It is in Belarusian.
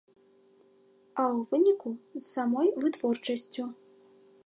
А ў выніку, з самой вытворчасцю.